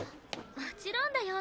もちろんだよ。